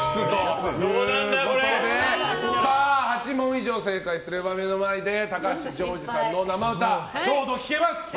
８問以上正解すれば目の前で高橋ジョージさんの生歌、「ロード」が聴けます。